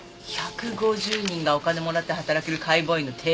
１５０人がお金もらって働ける解剖医の定員か。